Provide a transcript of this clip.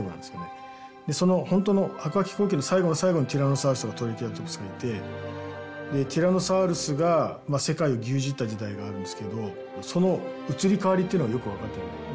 その本当の白亜紀後期の最後の最後にティラノサウルスやトリケラトプスがいてでティラノサウルスが世界を牛耳った時代があるんですけどその移り変わりっていうのがよく分かってないんですよね。